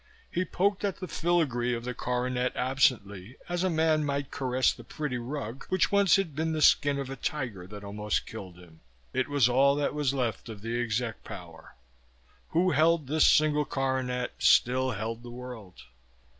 He poked at the filigree of the coronet absently, as a man might caress the pretty rug which once had been the skin of a tiger that almost killed him. It was all that was left of the exec power. Who held this single coronet still held the world.